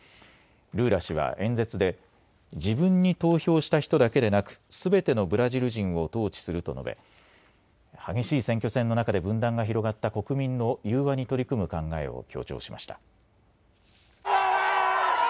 ルーラ氏は演説で自分に投票した人だけでなくすべてのブラジル人を統治すると述べ激しい選挙戦の中で分断が広がった国民の融和に取り組む考えを強調しました。